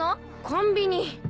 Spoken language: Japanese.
コンビニ！